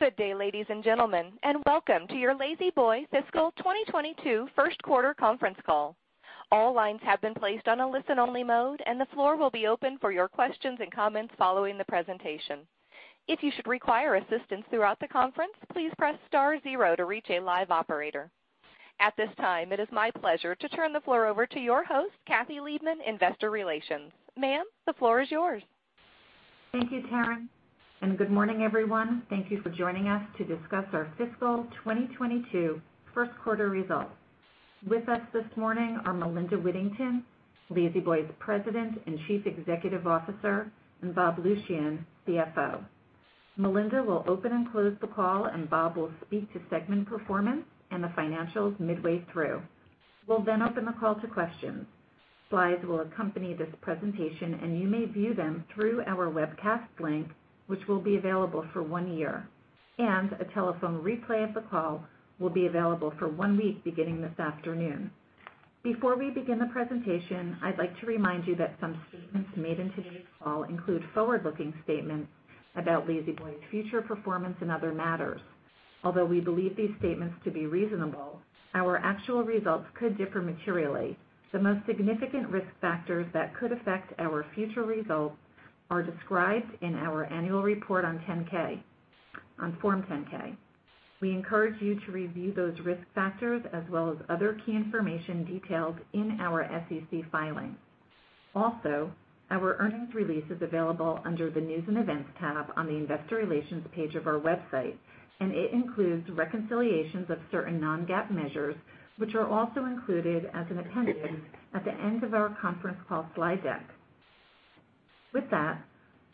Good day, ladies and gentlemen, and welcome to your La-Z-Boy fiscal 2022 1st quarter conference call. All lines have been placed on a listen-only mode, and the floor will be open for your questions and comments following the presentation. If you should require assistance throughout the conference, please press star 0 to reach a live operator. At this time, it is my pleasure to turn the floor over to your host, Kathy Liebmann, investor relations. Ma'am, the floor is yours. Thank you, Kathy Liebmann, good morning, everyone. Thank you for joining us to discuss our fiscal 2022 first quarter results. With us this morning are Melinda Whittington, La-Z-Boy's President and Chief Executive Officer, and Bob Lucian, CFO. Melinda will open and close the call, and Bob will speak to segment performance and the financials midway through. We'll open the call to questions. Slides will accompany this presentation, and you may view them through our webcast link, which will be available for one year. A telephone replay of the call will be available for one week beginning this afternoon. Before we begin the presentation, I'd like to remind you that some statements made in today's call include forward-looking statements about La-Z-Boy's future performance and other matters. Although we believe these statements to be reasonable, our actual results could differ materially. The most significant risk factors that could affect our future results are described in our annual report on Form 10-K. We encourage you to review those risk factors as well as other key information detailed in our SEC filings. Also, our earnings release is available under the News & Events tab on the Investor Relations page of our website, and it includes reconciliations of certain non-GAAP measures, which are also included as an appendix at the end of our conference call slide deck. With that,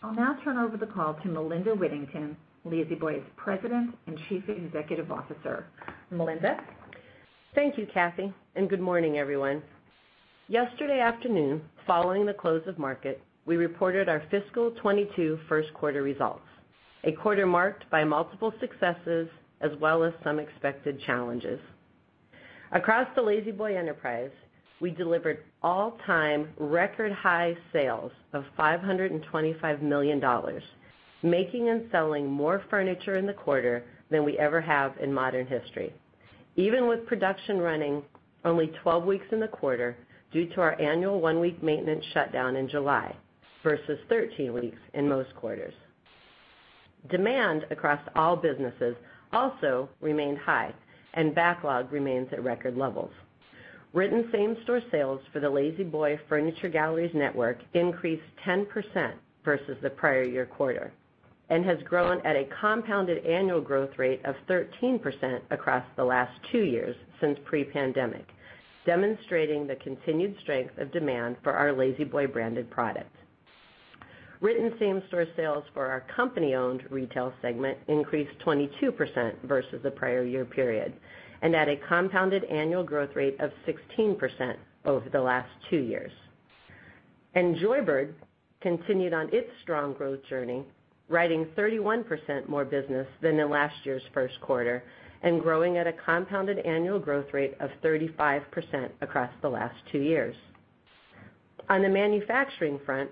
I'll now turn over the call to Melinda Whittington, La-Z-Boy's President and Chief Executive Officer. Melinda? Thank you, Kathy, and good morning, everyone. Yesterday afternoon, following the close of market, we reported our fiscal 2022 first quarter results, a quarter marked by multiple successes as well as some expected challenges. Across the La-Z-Boy enterprise, we delivered all-time record high sales of $525 million, making and selling more furniture in the quarter than we ever have in modern history, even with production running only 12 weeks in the quarter due to our annual one-week maintenance shutdown in July versus 13 weeks in most quarters. Demand across all businesses also remained high. Backlog remains at record levels. Written same-store sales for the La-Z-Boy Furniture Galleries network increased 10% versus the prior year quarter and has grown at a compounded annual growth rate of 13% across the last two years since pre-pandemic, demonstrating the continued strength of demand for our La-Z-Boy branded products. Written same-store sales for our company-owned retail segment increased 22% versus the prior year period, at a compounded annual growth rate of 16% over the last two years. Joybird continued on its strong growth journey, writing 31% more business than in last year's first quarter and growing at a compounded annual growth rate of 35% across the last two years. On the manufacturing front,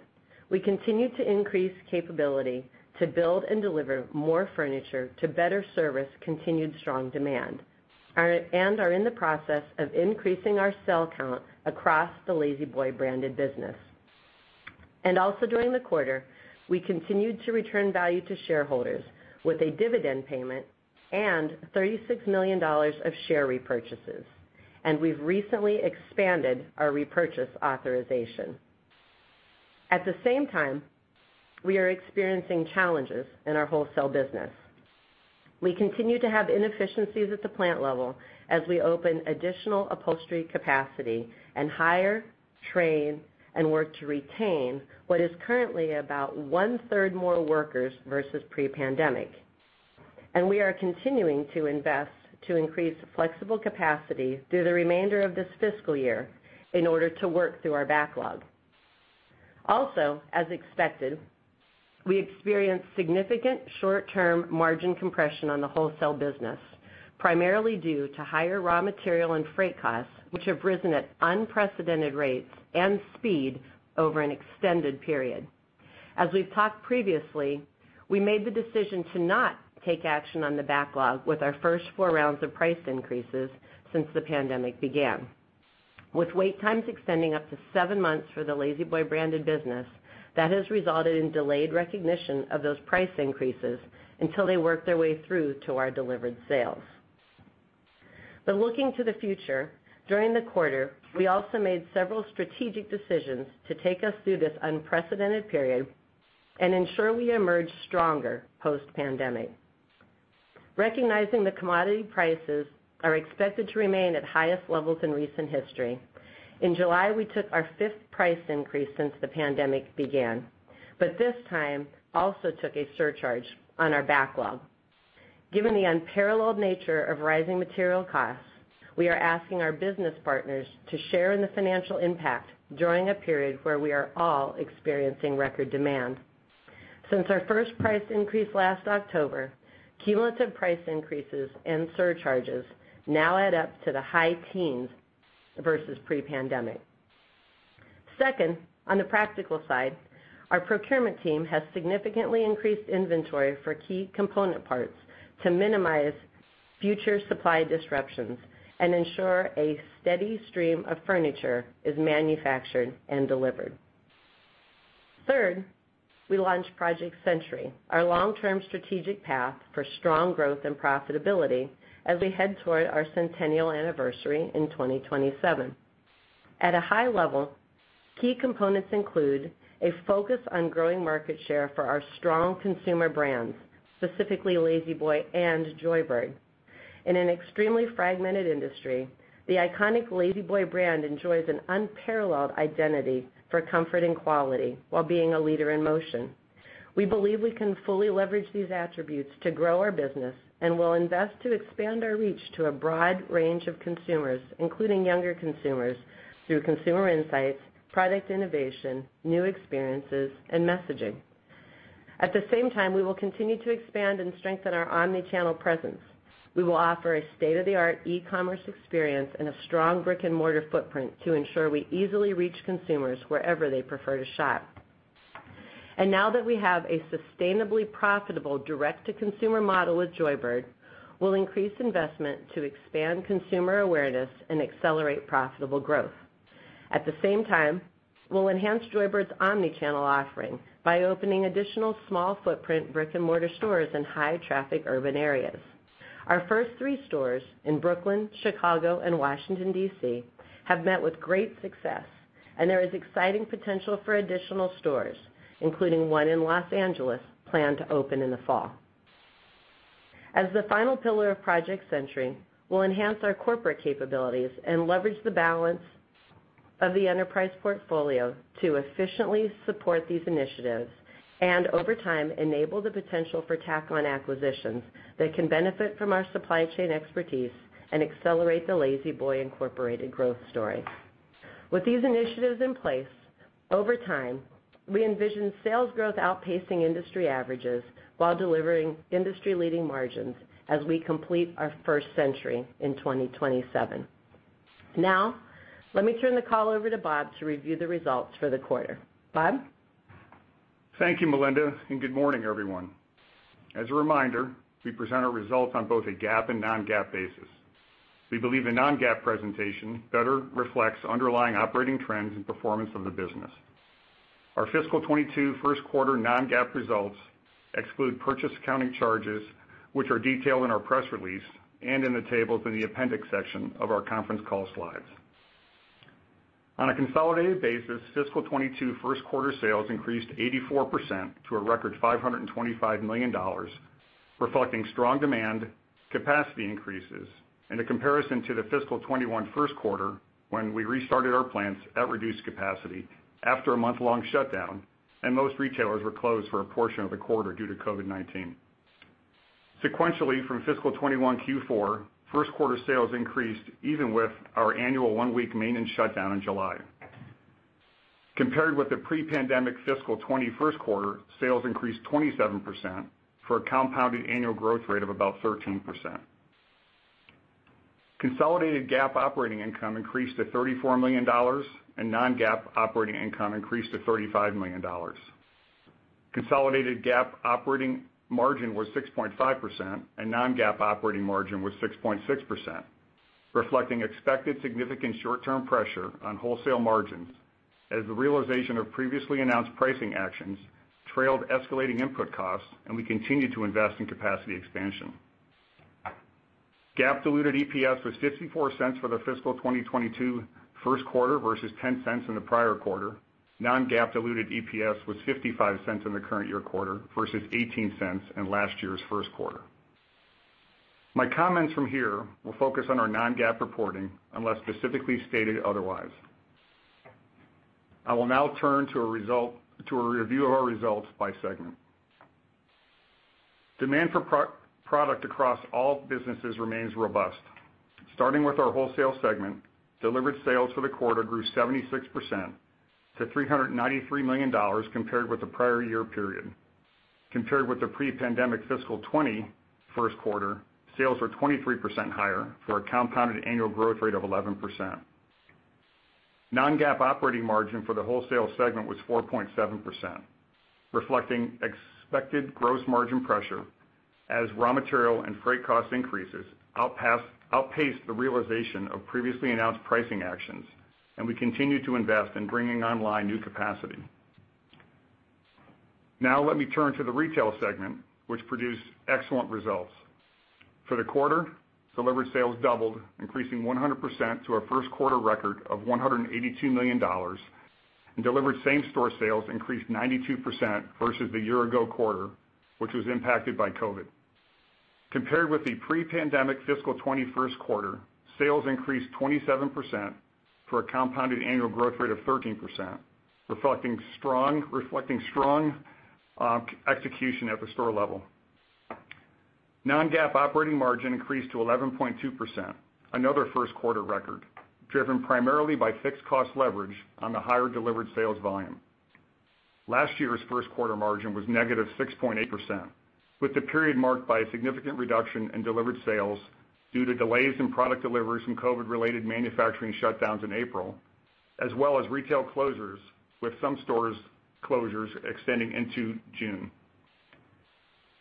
we continue to increase capability to build and deliver more furniture to better service continued strong demand and are in the process of increasing our cell count across the La-Z-Boy branded business. Also during the quarter, we continued to return value to shareholders with a dividend payment and $36 million of share repurchases, and we've recently expanded our repurchase authorization. At the same time, we are experiencing challenges in our wholesale business. We continue to have inefficiencies at the plant level as we open additional upholstery capacity and hire, train, and work to retain what is currently about one-third more workers versus pre-pandemic. We are continuing to invest to increase flexible capacity through the remainder of this fiscal year in order to work through our backlog. As expected, we experienced significant short-term margin compression on the wholesale business, primarily due to higher raw material and freight costs, which have risen at unprecedented rates and speed over an extended period. As we've talked previously, we made the decision to not take action on the backlog with our first four rounds of price increases since the pandemic began. With wait times extending up to seven months for the La-Z-Boy branded business, that has resulted in delayed recognition of those price increases until they work their way through to our delivered sales. Looking to the future, during the quarter, we also made several strategic decisions to take us through this unprecedented period and ensure we emerge stronger post-pandemic. Recognizing that commodity prices are expected to remain at highest levels in recent history, in July, we took our fifth price increase since the pandemic began, but this time also took a surcharge on our backlog. Given the unparalleled nature of rising material costs, we are asking our business partners to share in the financial impact during a period where we are all experiencing record demand. Since our first price increase last October, cumulative price increases and surcharges now add up to the high teens versus pre-pandemic. Second, on the practical side, our procurement team has significantly increased inventory for key component parts to minimize future supply disruptions and ensure a steady stream of furniture is manufactured and delivered. Third, we launched Project Century, our long-term strategic path for strong growth and profitability as we head toward our centennial anniversary in 2027. At a high level, key components include a focus on growing market share for our strong consumer brands, specifically La-Z-Boy and Joybird. In an extremely fragmented industry, the iconic La-Z-Boy brand enjoys an unparalleled identity for comfort and quality while being a leader in motion. We believe we can fully leverage these attributes to grow our business, and we'll invest to expand our reach to a broad range of consumers, including younger consumers, through consumer insights, product innovation, new experiences, and messaging. At the same time, we will continue to expand and strengthen our omni-channel presence. We will offer a state-of-the-art e-commerce experience and a strong brick and mortar footprint to ensure we easily reach consumers wherever they prefer to shop. Now that we have a sustainably profitable direct-to-consumer model with Joybird, we'll increase investment to expand consumer awareness and accelerate profitable growth. At the same time, we'll enhance Joybird's omni-channel offering by opening additional small footprint brick and mortar stores in high traffic urban areas. Our first three stores in Brooklyn, Chicago, and Washington, D.C., have met with great success, and there is exciting potential for additional stores, including one in Los Angeles planned to open in the fall. As the final pillar of Project Century, we'll enhance our corporate capabilities and leverage the balance of the enterprise portfolio to efficiently support these initiatives and, over time, enable the potential for tack-on acquisitions that can benefit from our supply chain expertise and accelerate the La-Z-Boy Incorporated growth story. With these initiatives in place, over time, we envision sales growth outpacing industry averages while delivering industry-leading margins as we complete our first century in 2027. Now, let me turn the call over to Bob to review the results for the quarter. Bob? Thank you, Melinda, and good morning, everyone. As a reminder, we present our results on both a GAAP and non-GAAP basis. We believe a non-GAAP presentation better reflects underlying operating trends and performance of the business. Our fiscal 2022 first quarter non-GAAP results exclude purchase accounting charges, which are detailed in our press release and in the tables in the appendix section of our conference call slides. On a consolidated basis, fiscal 2022 first quarter sales increased 84% to a record $525 million, reflecting strong demand, capacity increases, and a comparison to the fiscal 2021 first quarter, when we restarted our plants at reduced capacity after a month-long shutdown and most retailers were closed for a portion of the quarter due to COVID-19. Sequentially, from fiscal 2021 Q4, first quarter sales increased even with our annual one-week maintenance shutdown in July. Compared with the pre-pandemic fiscal 2020 first quarter, sales increased 27%, for a compounded annual growth rate of about 13%. Consolidated GAAP operating income increased to $34 million, and non-GAAP operating income increased to $35 million. Consolidated GAAP operating margin was 6.5%, and non-GAAP operating margin was 6.6%, reflecting expected significant short-term pressure on wholesale margins as the realization of previously announced pricing actions trailed escalating input costs, and we continued to invest in capacity expansion. GAAP diluted EPS was $0.54 for the fiscal 2022 first quarter versus $0.10 in the prior quarter. Non-GAAP diluted EPS was $0.55 in the current year quarter versus $0.18 in last year's first quarter. My comments from here will focus on our non-GAAP reporting, unless specifically stated otherwise. I will now turn to a review of our results by segment. Demand for product across all businesses remains robust. Starting with our wholesale segment, delivered sales for the quarter grew 76% to $393 million compared with the prior year period. Compared with the pre-pandemic fiscal 2020 first quarter, sales were 23% higher for a compounded annual growth rate of 11%. Non-GAAP operating margin for the wholesale segment was 4.7%, reflecting expected gross margin pressure as raw material and freight cost increases outpaced the realization of previously announced pricing actions, and we continued to invest in bringing online new capacity. Let me turn to the retail segment, which produced excellent results. For the quarter, delivered sales doubled, increasing 100% to a first quarter record of $182 million, and delivered same store sales increased 92% versus the year ago quarter, which was impacted by COVID. Compared with the pre-pandemic fiscal 2020 first quarter, sales increased 27%, for a compounded annual growth rate of 13%, reflecting strong execution at the store level. non-GAAP operating margin increased to 11.2%, another first quarter record, driven primarily by fixed cost leverage on the higher delivered sales volume. Last year's first quarter margin was -6.8%, with the period marked by a significant reduction in delivered sales due to delays in product deliveries from COVID-related manufacturing shutdowns in April, as well as retail closures, with some stores' closures extending into June.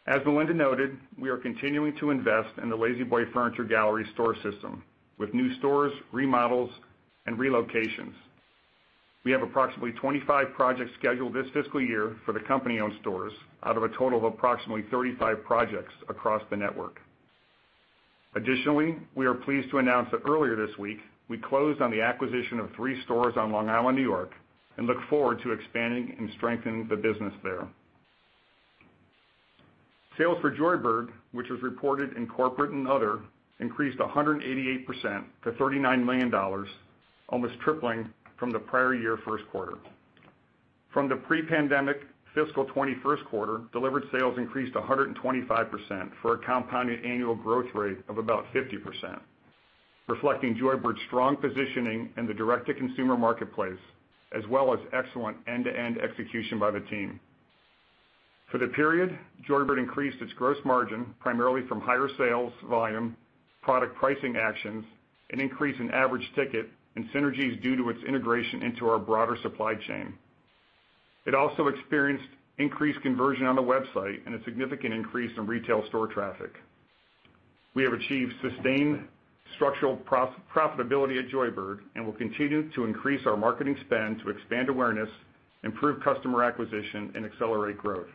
As Melinda noted, we are continuing to invest in the La-Z-Boy Furniture Galleries store system with new stores, remodels, and relocations. We have approximately 25 projects scheduled this fiscal year for the company-owned stores out of a total of approximately 35 projects across the network. Additionally, we are pleased to announce that earlier this week, we closed on the acquisition of three stores on Long Island, N.Y., and look forward to expanding and strengthening the business there. Sales for Joybird, which was reported in corporate and other, increased 188% to $39 million, almost tripling from the prior year first quarter. From the pre-pandemic fiscal 2020 first quarter, delivered sales increased 125% for a compounded annual growth rate of about 50%, reflecting Joybird's strong positioning in the direct-to-consumer marketplace, as well as excellent end-to-end execution by the team. For the period, Joybird increased its gross margin primarily from higher sales volume, product pricing actions, an increase in average ticket, and synergies due to its integration into our broader supply chain. It also experienced increased conversion on the website and a significant increase in retail store traffic. We have achieved sustained structural profitability at Joybird and will continue to increase our marketing spend to expand awareness, improve customer acquisition, and accelerate growth.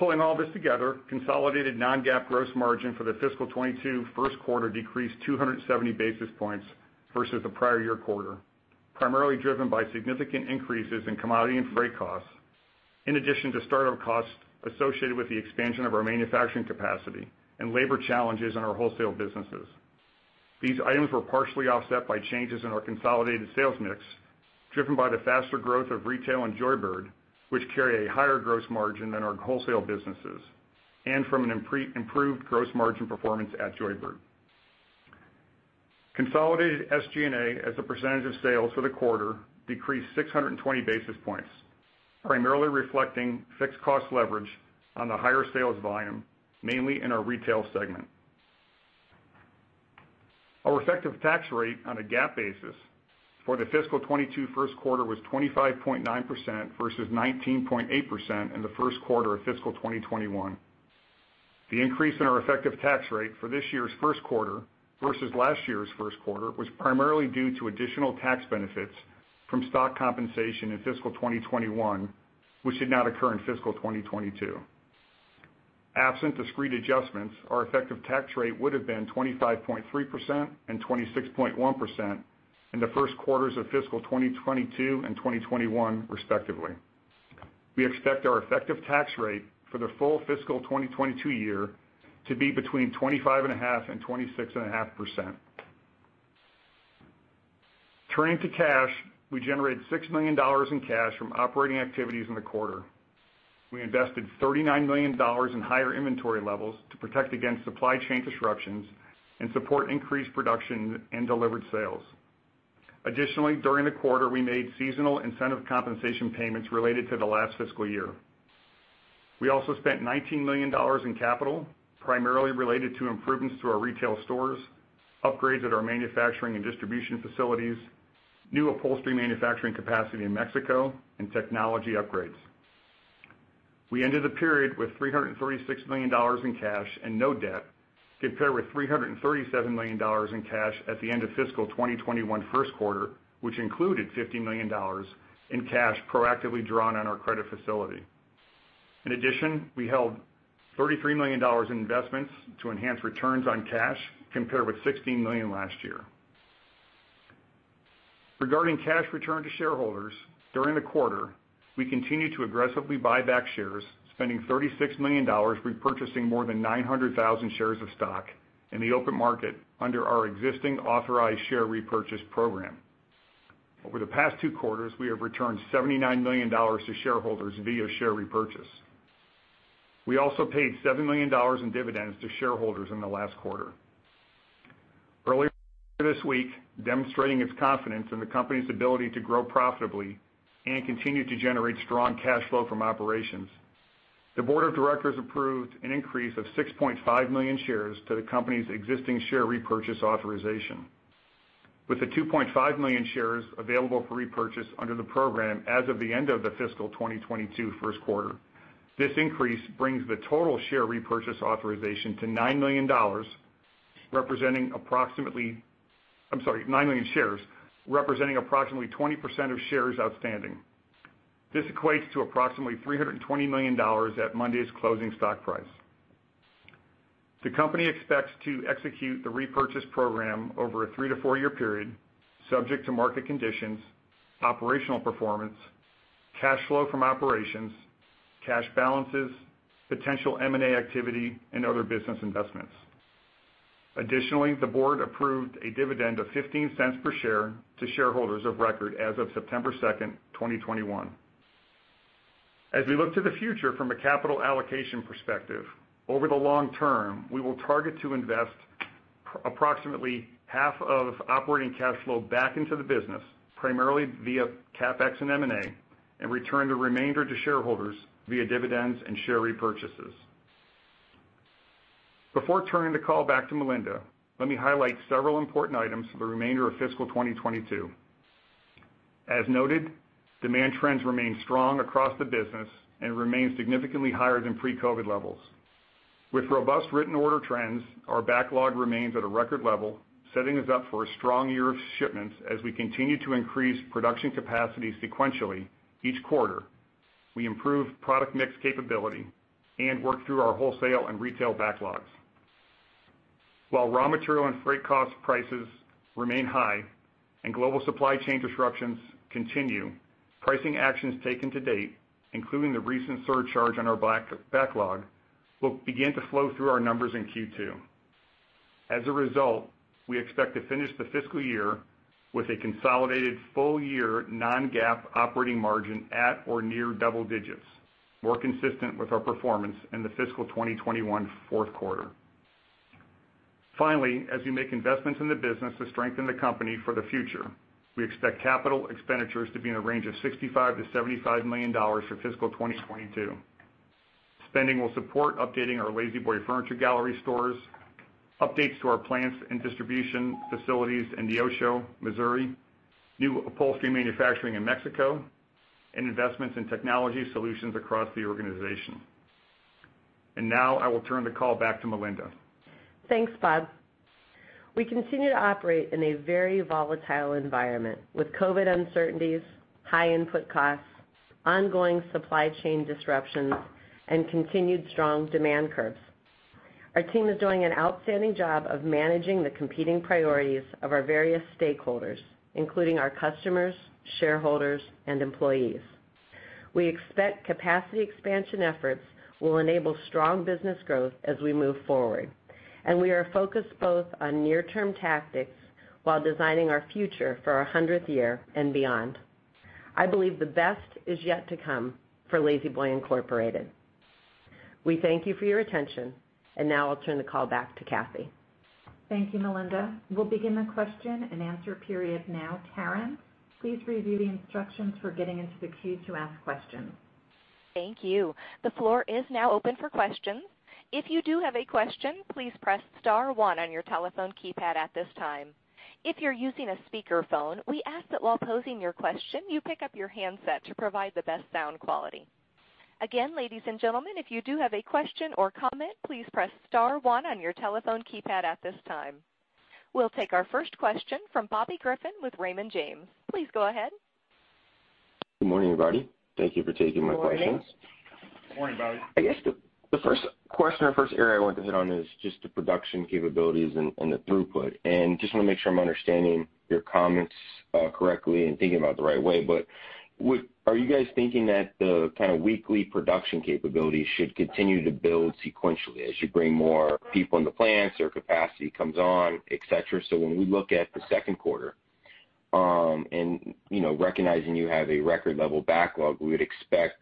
Pulling all this together, consolidated non-GAAP gross margin for the fiscal 2022 first quarter decreased 270 basis points versus the prior year quarter, primarily driven by significant increases in commodity and freight costs, in addition to startup costs associated with the expansion of our manufacturing capacity and labor challenges in our wholesale businesses. These items were partially offset by changes in our consolidated sales mix, driven by the faster growth of retail and Joybird, which carry a higher gross margin than our wholesale businesses, and from an improved gross margin performance at Joybird. Consolidated SG&A as a percentage of sales for the quarter decreased 620 basis points, primarily reflecting fixed cost leverage on the higher sales volume, mainly in our retail segment. Our effective tax rate on a GAAP basis for the fiscal 2022 first quarter was 25.9% versus 19.8% in the first quarter of fiscal 2021. The increase in our effective tax rate for this year's first quarter versus last year's first quarter was primarily due to additional tax benefits from stock compensation in fiscal 2021, which did not occur in fiscal 2022. Absent discrete adjustments, our effective tax rate would've been 25.3% and 26.1% in the first quarters of fiscal 2022 and 2021, respectively. We expect our effective tax rate for the full fiscal 2022 year to be between 25.5% and 26.5%. Turning to cash, we generated $6 million in cash from operating activities in the quarter. We invested $39 million in higher inventory levels to protect against supply chain disruptions and support increased production and delivered sales. Additionally, during the quarter, we made seasonal incentive compensation payments related to the last fiscal year. We also spent $19 million in capital, primarily related to improvements to our retail stores, upgrades at our manufacturing and distribution facilities, new upholstery manufacturing capacity in Mexico, and technology upgrades. We ended the period with $336 million in cash and no debt, compared with $337 million in cash at the end of fiscal 2021 first quarter, which included $50 million in cash proactively drawn on our credit facility. In addition, we held $33 million in investments to enhance returns on cash, compared with $16 million last year. Regarding cash return to shareholders, during the quarter, we continued to aggressively buy back shares, spending $36 million repurchasing more than 900,000 shares of stock in the open market under our existing authorized share repurchase program. Over the past two quarters, we have returned $79 million to shareholders via share repurchase. We also paid $7 million in dividends to shareholders in the last quarter. Earlier this week, demonstrating its confidence in the company's ability to grow profitably and continue to generate strong cash flow from operations, the board of directors approved an increase of 6.5 million shares to the company's existing share repurchase authorization. With the 2.5 million shares available for repurchase under the program as of the end of the fiscal 2022 first quarter, this increase brings the total share repurchase authorization to $9 million, representing approximately, I'm sorry, 9 million shares, representing approximately 20% of shares outstanding. This equates to approximately $320 million at Monday's closing stock price. The company expects to execute the repurchase program over a three-to-four-year period, subject to market conditions, operational performance, cash flow from operations, cash balances, potential M&A activity, and other business investments. Additionally, the board approved a dividend of $0.15 per share to shareholders of record as of September 2nd, 2021. As we look to the future from a capital allocation perspective, over the long term, we will target to invest approximately half of operating cash flow back into the business, primarily via CapEx and M&A, and return the remainder to shareholders via dividends and share repurchases. Before turning the call back to Melinda, let me highlight several important items for the remainder of fiscal 2022. As noted, demand trends remain strong across the business and remain significantly higher than pre-COVID levels. With robust written order trends, our backlog remains at a record level, setting us up for a strong year of shipments as we continue to increase production capacity sequentially each quarter. We improve product mix capability and work through our wholesale and retail backlogs. While raw material and freight cost prices remain high and global supply chain disruptions continue, pricing actions taken to date, including the recent surcharge on our backlog, will begin to flow through our numbers in Q2. As a result, we expect to finish the fiscal year with a consolidated full-year non-GAAP operating margin at or near double digits, more consistent with our performance in the fiscal 2021 fourth quarter. Finally, as we make investments in the business to strengthen the company for the future, we expect capital expenditures to be in the range of $65 million-$75 million for fiscal 2022. Spending will support updating our La-Z-Boy Furniture Gallery stores, updates to our plants and distribution facilities in Neosho, Missouri, new upholstery manufacturing in Mexico, and investments in technology solutions across the organization. Now I will turn the call back to Melinda. Thanks, Bob. We continue to operate in a very volatile environment, with COVID uncertainties, high input costs, ongoing supply chain disruptions, and continued strong demand curves. Our team is doing an outstanding job of managing the competing priorities of our various stakeholders, including our customers, shareholders, and employees. We expect capacity expansion efforts will enable strong business growth as we move forward, and we are focused both on near-term tactics while designing our future for our 100th year and beyond. I believe the best is yet to come for La-Z-Boy Incorporated. We thank you for your attention, and now I'll turn the call back to Kathy. Thank you, Melinda. We'll begin the question and answer period now. Karen, please review the instructions for getting into the queue to ask questions. Thank you. The floor is now open for questions. If you do have a question, please press *1 on your telephone keypad at this time. If you're using a speakerphone, we ask that while posing your question, you pick up your handset to provide the best sound quality. Again, ladies and gentlemen, if you do have a question or comment, please press *1 on your telephone keypad at this time. We'll take our first question from Bobby Griffin with Raymond James. Please go ahead. Good morning, everybody. Thank you for taking my questions. Morning. Morning, Bobby. I guess the first question or first area I wanted to hit on is just the production capabilities and the throughput. Just want to make sure I'm understanding your comments correctly and thinking about it the right way, but are you guys thinking that the kind of weekly production capability should continue to build sequentially as you bring more people in the plants or capacity comes on, et cetera? When we look at the second quarter, and recognizing you have a record level backlog, we would expect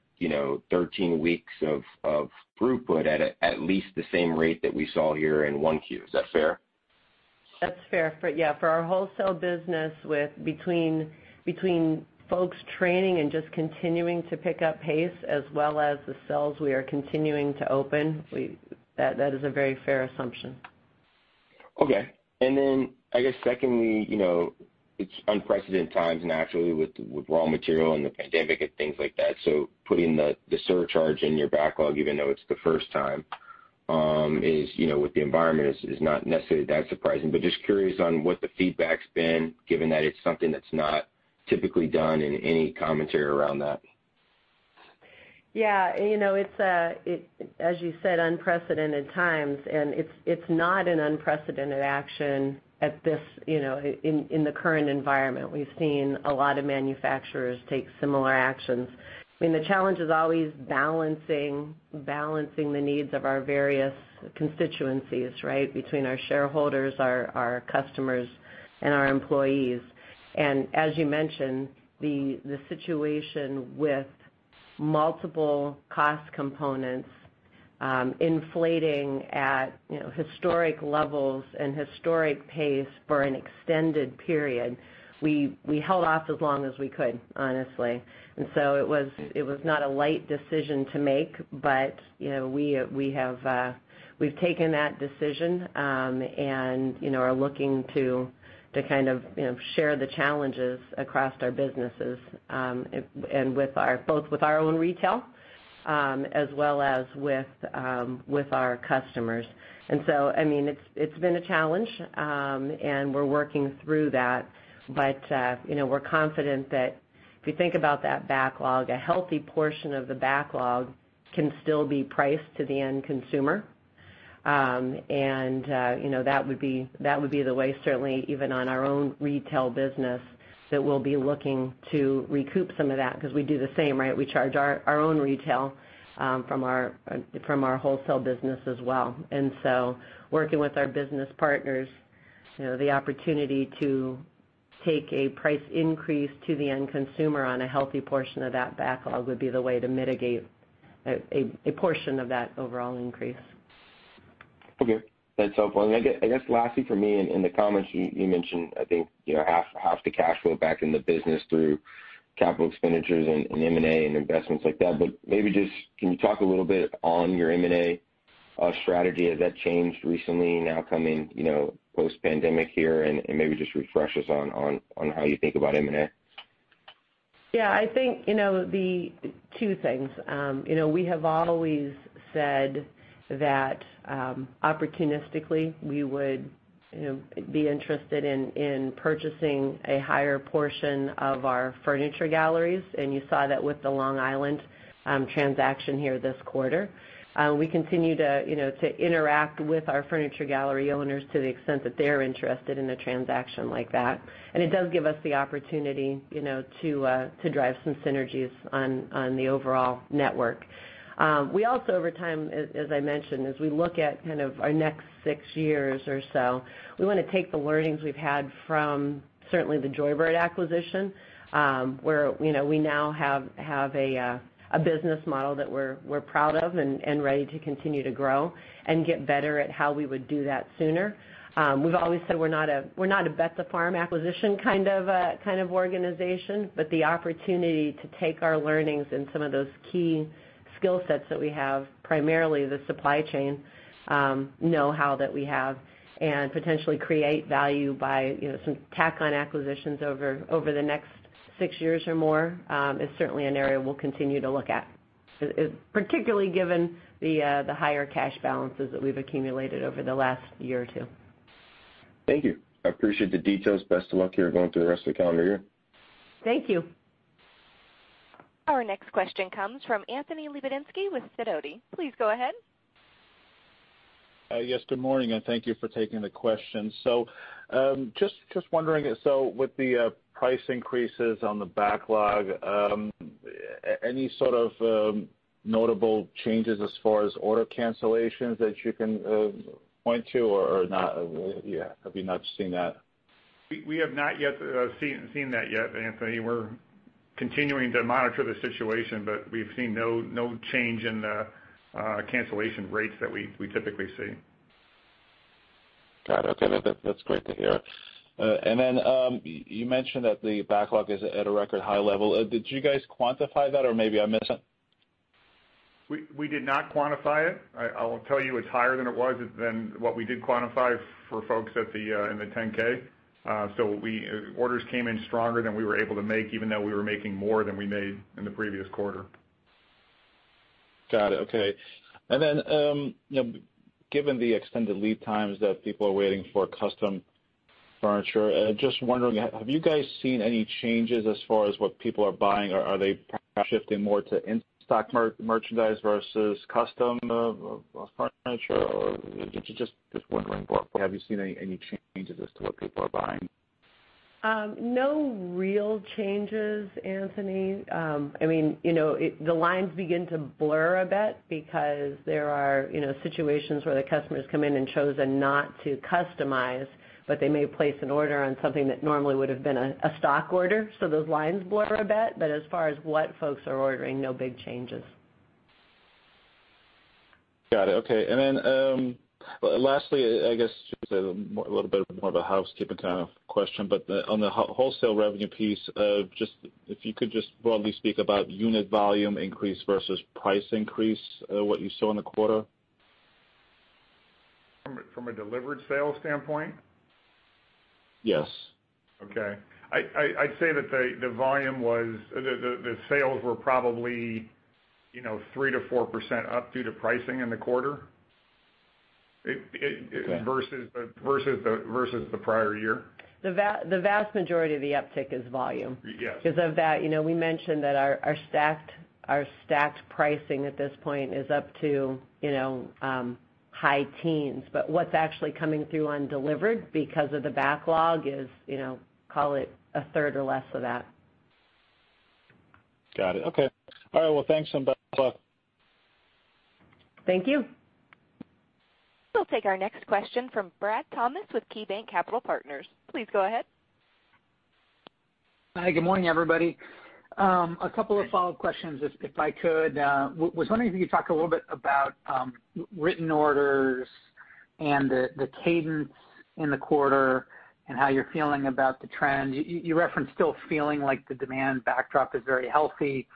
13 weeks of throughput at least the same rate that we saw here in 1Q. Is that fair? That's fair. For our wholesale business, between folks training and just continuing to pick up pace, as well as the sales we are continuing to open, that is a very fair assumption. Okay. I guess secondly, it's unprecedented times naturally with raw material and the pandemic and things like that. Putting the surcharge in your backlog, even though it's the first time, with the environment, is not necessarily that surprising. Just curious on what the feedback's been, given that it's something that's not typically done and any commentary around that. It's, as you said, unprecedented times, and it's not an unprecedented action in the current environment. We've seen a lot of manufacturers take similar actions. The challenge is always balancing the needs of our various constituencies, right? Between our shareholders, our customers, and our employees. As you mentioned, the situation with multiple cost components inflating at historic levels and historic pace for an extended period, we held off as long as we could, honestly. It was not a light decision to make, but we've taken that decision and are looking to kind of share the challenges across our businesses both with our own retail as well as with our customers. It's been a challenge, and we're working through that. We're confident that if you think about that backlog, a healthy portion of the backlog can still be priced to the end consumer. That would be the way, certainly even on our own retail business, that we'll be looking to recoup some of that because we do the same, right? We charge our own retail from our wholesale business as well. Working with our business partners, the opportunity to take a price increase to the end consumer on a healthy portion of that backlog would be the way to mitigate a portion of that overall increase. Okay, that's helpful. I guess lastly for me, in the comments, you mentioned, I think, half the cash flow back in the business through capital expenditures and M&A and investments like that. Maybe just can you talk a little bit on your M&A strategy? Has that changed recently, now coming post-pandemic here, and maybe just refresh us on how you think about M&A? Yeah. I think two things. We have always said that opportunistically, we would be interested in purchasing a higher portion of our Furniture Galleries, and you saw that with the Long Island transaction here this quarter. We continue to interact with our Furniture Gallery owners to the extent that they're interested in a transaction like that. It does give us the opportunity to drive some synergies on the overall network. We also, over time, as I mentioned, as we look at kind of our next six years or so, we want to take the learnings we've had from certainly the Joybird acquisition, where we now have a business model that we're proud of and ready to continue to grow and get better at how we would do that sooner. We've always said we're not a bet-the-farm acquisition kind of organization, but the opportunity to take our learnings and some of those key skill sets that we have, primarily the supply chain know-how that we have and potentially create value by some tack-on acquisitions over the next six years or more, is certainly an area we'll continue to look at, particularly given the higher cash balances that we've accumulated over the last year or two. Thank you. I appreciate the details. Best of luck here going through the rest of the calendar year. Thank you. Our next question comes from Anthony Lebiedzinski with Sidoti. Please go ahead. Yes, good morning, and thank you for taking the question. Just wondering, so with the price increases on the backlog, any sort of notable changes as far as order cancellations that you can point to or not? Have you not seen that? We have not yet seen that yet, Anthony. We're continuing to monitor the situation, but we've seen no change in the cancellation rates that we typically see. Got it. Okay. That's great to hear. Then you mentioned that the backlog is at a record high level. Did you guys quantify that, or maybe I missed that? We did not quantify it. I will tell you it's higher than it was than what we did quantify for folks in the 10-K. Orders came in stronger than we were able to make, even though we were making more than we made in the previous quarter. Got it. Okay. Given the extended lead times that people are waiting for custom furniture, just wondering, have you guys seen any changes as far as what people are buying? Are they perhaps shifting more to in-stock merchandise versus custom furniture? Just wondering, have you seen any changes as to what people are buying? No real changes, Anthony. The lines begin to blur a bit because there are situations where the customers come in and chosen not to customize, but they may place an order on something that normally would have been a stock order. Those lines blur a bit. As far as what folks are ordering, no big changes. Got it. Okay. Lastly, I guess, just a little bit more of a housekeeping kind of question, but on the wholesale revenue piece, if you could just broadly speak about unit volume increase versus price increase, what you saw in the quarter. From a delivered sales standpoint? Yes. Okay. I'd say that the sales were probably 3%-4% up due to pricing in the quarter. Okay versus the prior year. The vast majority of the uptick is volume. Yes. Because of that, we mentioned that our stacked pricing at this point is up to high teens. But what's actually coming through on delivered because of the backlog is, call it a third or less of that. Got it. Okay. All right. Well, thanks. Best of luck. Thankyou. We'll take our next question from Brad Thomas with KeyBanc Capital Markets. Please go ahead. Hi. Good morning, everybody. A couple of follow-up questions if I could. Was wondering if you could talk a little bit about written orders and the cadence in the quarter and how you're feeling about the trend. You referenced still feeling like the demand backdrop is very healthy.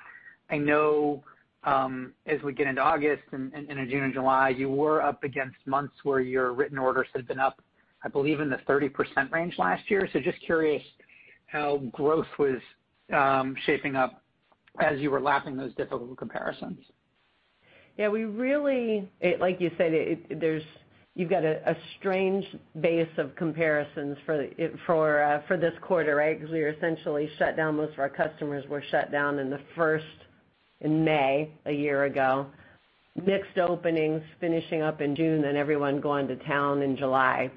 I know as we get into August and in June and July, you were up against months where your written orders had been up, I believe, in the 30% range last year. Just curious how growth was shaping up as you were lapping those difficult comparisons. Yeah. Like you said, you've got a strange base of comparisons for this quarter, right? Most of our customers were shut down in the first in May a year ago. Mixed openings finishing up in June, and everyone going to town in July.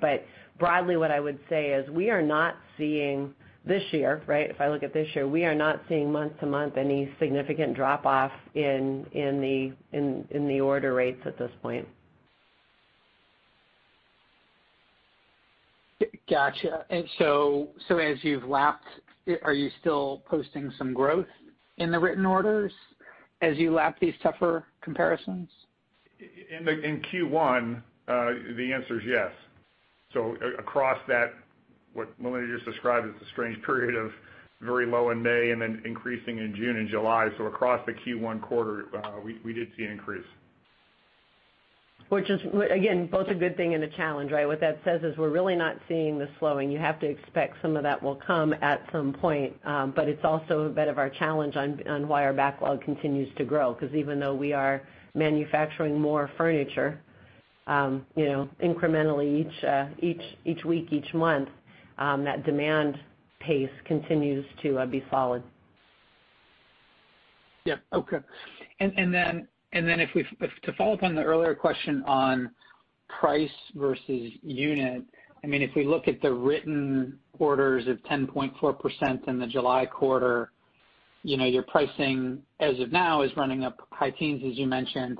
Broadly, what I would say is we are not seeing this year, right, if I look at this year, we are not seeing month to month any significant drop off in the order rates at this point. Gotcha. As you've lapped, are you still posting some growth in the written orders as you lap these tougher comparisons? In Q1, the answer is yes. Across that, what Melinda just described as the strange period of very low in May and then increasing in June and July. Across the Q1 quarter, we did see an increase. Which is, again, both a good thing and a challenge, right? What that says is we're really not seeing the slowing. You have to expect some of that will come at some point. It's also a bit of our challenge on why our backlog continues to grow, because even though we are manufacturing more furniture incrementally each week, each month, that demand pace continues to be solid. Yep. Okay. To follow up on the earlier question on price versus unit, if we look at the written orders of 10.4% in the July quarter, your pricing as of now is running up high teens, as you mentioned.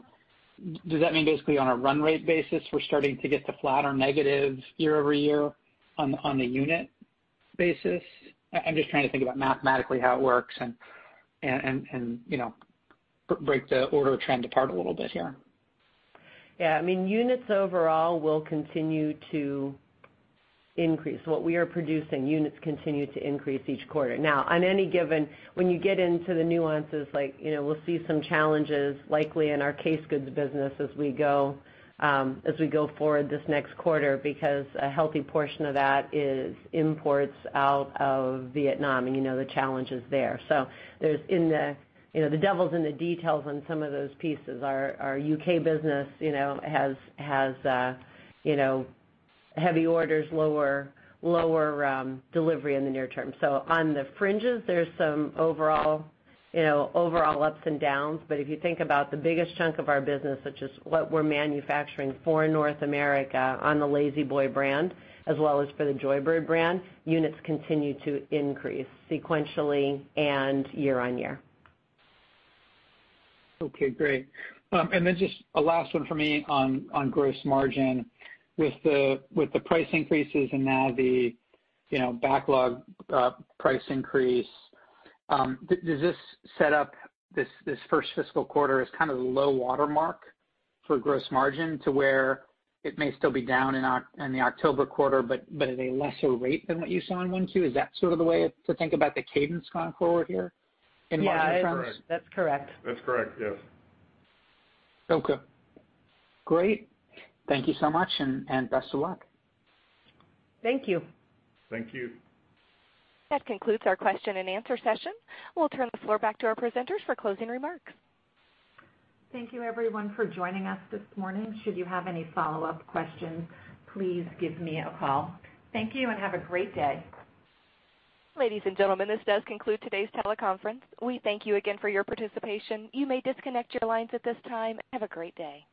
Does that mean basically on a run rate basis, we're starting to get to flat or negative year-over-year on the unit basis? I'm just trying to think about mathematically how it works and break the order trend apart a little bit here. Yeah, units overall will continue to increase. What we are producing, units continue to increase each quarter. On any given, when you get into the nuances, we'll see some challenges likely in our case goods business as we go forward this next quarter, because a healthy portion of that is imports out of Vietnam, and you know the challenges there. The devil's in the details on some of those pieces. Our U.K. business has heavy orders, lower delivery in the near term. On the fringes, there's some overall ups and downs. If you think about the biggest chunk of our business, which is what we're manufacturing for North America on the La-Z-Boy brand as well as for the Joybird brand, units continue to increase sequentially and year-on-year. Okay, great. Just a last one for me on gross margin. With the price increases and now the backlog price increase, does this set up this first fiscal quarter as kind of the low watermark for gross margin to where it may still be down in the October quarter, but at a lesser rate than what you saw in Q2? Is that sort of the way to think about the cadence going forward here in margin terms? Yeah. Correct. That's correct. That's correct, yes. Okay, great. Thank you so much and best of luck. Thank you. Thank you. That concludes our question and answer session. We'll turn the floor back to our presenters for closing remarks. Thank you everyone for joining us this morning. Should you have any follow-up questions, please give me a call. Thank you and have a great day. Ladies and gentlemen, this does conclude today's teleconference. We thank you again for your participation. You may disconnect your lines at this time. Have a great day.